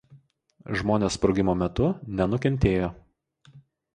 Žmonės sprogimo metu nenukentėjo.